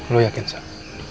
lo yakin sam